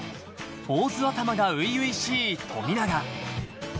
坊主頭が初々しい富永。